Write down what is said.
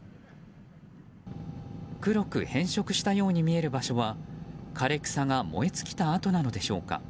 黒く変色したように見える場所は枯れ草が燃え尽きた跡なのでしょうか。